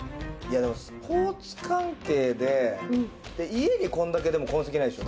スポーツ関係で家にこれだけ痕跡がないでしょ。